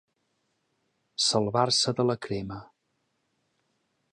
Salvar-se de la crema.